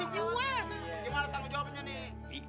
gimana tanggung jawabannya nih